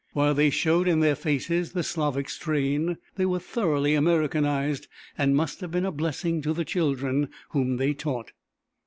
While they showed in their faces the Slavic strain, they were thoroughly Americanized and must have been a blessing to the children whom they taught.